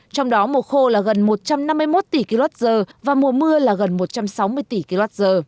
trong đó mùa khô là gần một trăm năm mươi một tỷ kwh và mùa mưa là gần một trăm sáu mươi tỷ kwh